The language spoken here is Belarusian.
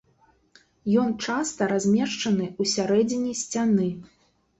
Ён часта размешчаны ў сярэдзіне сцяны.